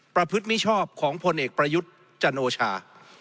พฤติมิชอบของพลเอกประยุทธ์จันโอชา